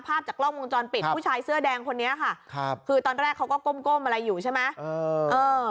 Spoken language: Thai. ภาพจากกล้องวงจรปิดผู้ชายเสื้อแดงคนนี้ค่ะครับคือตอนแรกเขาก็ก้มอะไรอยู่ใช่ไหม